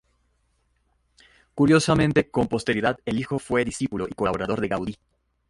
Curiosamente, con posterioridad el hijo fue discípulo y colaborador de Gaudí.